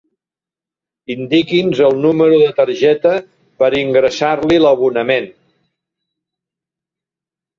Indiqui'ns el número de targeta per ingressar-li l'abonament.